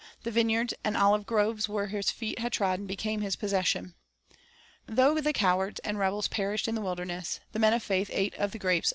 The vineyards and olive groves where his feet had trodden became his possession. Though the cowards and rebels perished in the wilder ness, the men of faith ate of the grapes of Eschol.